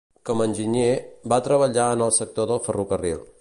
Com enginyer, va treballar en el sector del ferrocarril.